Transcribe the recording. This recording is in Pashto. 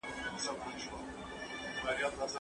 لمر د اسمان په غېږ کې د یوې رڼا په څېر ښکاري.